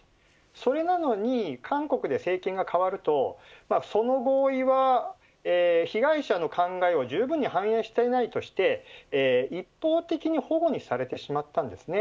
それなのに韓国で政権が変わるとその合意は被害者の考えをじゅうぶんに反映していないとして一方的に反故にされてしまっています。